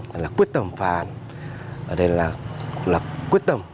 đây là quyết tâm phá án đây là quyết tâm